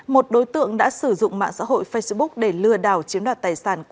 một đối tượng đã sử dụng mạng xã hội facebook để lừa đảo chiếm đoạt tài sản